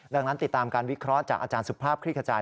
ดังนั้นติดตามการวิเคราะห์จากอาจารย์สุภาพคลิกขจาย